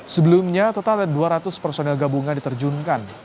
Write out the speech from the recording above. sebelumnya total dua ratus personel gabungan diterjunkan